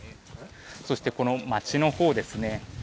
そして、街のほうですね